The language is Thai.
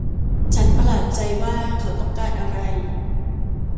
ฉันประหลาดใจว่าเขาต้องการอะไร